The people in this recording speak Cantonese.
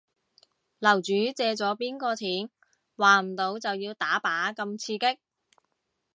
樓主借咗邊個錢？還唔到就要打靶咁刺激